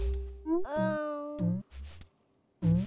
うん。